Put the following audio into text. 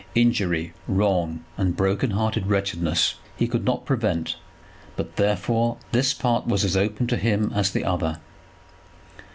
Injury, wrong, and broken hearted wretchedness, he could not prevent; but, therefore, this part was as open to him as the other.